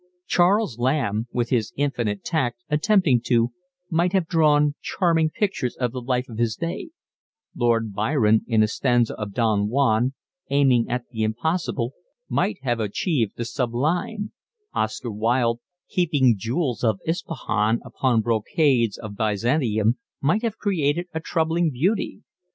Charles Lamb, with his infinite tact, attempting to, might have drawn charming pictures of the life of his day; Lord Byron in a stanza of Don Juan, aiming at the impossible, might have achieved the sublime; Oscar Wilde, heaping jewels of Ispahan upon brocades of Byzantium, might have created a troubling beauty.